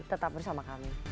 tetap bersama kami